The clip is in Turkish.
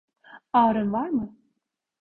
Ağrın var mı?